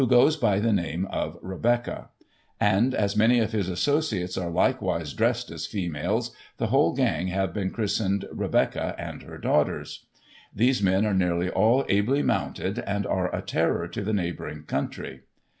[1843 goes by the name of Rebecca ; and, as many of his associates are hkewise dressed as females, the whole gang have been christened 'Rebecca and her daughters/ These men are nearly all ably mounted, and are a terror to the neighbouring country.